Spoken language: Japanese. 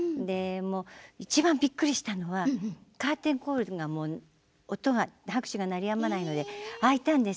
いちばんびっくりしたのはカーテンコール拍手が鳴りやまないので幕が開いたんです。